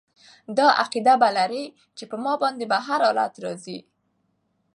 دا عقیده به لري چې په ما باندي هر حالت را ځي